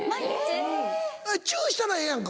・チュしたらええやんか